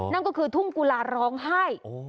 นั่นก็คือทุ่งกุลาร้องไห้